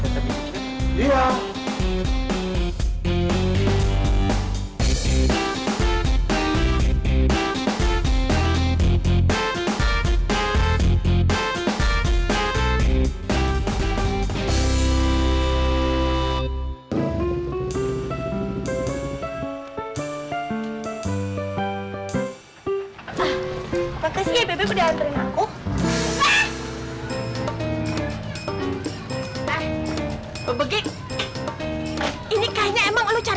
kau tenang aja